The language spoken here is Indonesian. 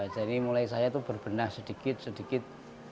jadi mulai saya itu berbenah sedikit sedikit